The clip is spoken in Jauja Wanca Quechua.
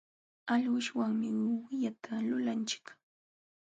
Alwishwanmi wikata lulanchik.